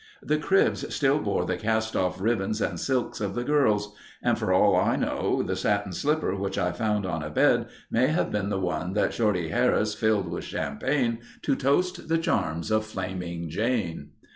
The cribs still bore the castoff ribbons and silks of the girls and for all I know, the satin slipper which I found on a bed may have been the one that Shorty Harris filled with champagne to toast the charms of Flaming Jane.